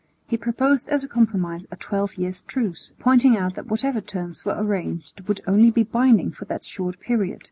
He proposed as a compromise a twelve years' truce, pointing out that whatever terms were arranged would only be binding for that short period.